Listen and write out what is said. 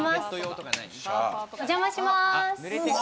お邪魔します。